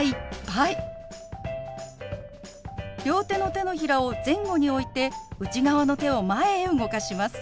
両手の手のひらを前後に置いて内側の手を前へ動かします。